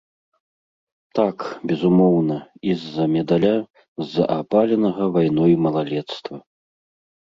Так, безумоўна, і з-за медаля, з-за апаленага вайной малалецтва.